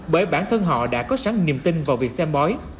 bởi bản thân họ đã có sẵn niềm tin vào việc xem bói